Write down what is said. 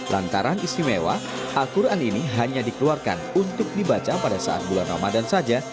lantaran istimewa al quran ini hanya dikeluarkan untuk dibaca pada saat bulan ramadan saja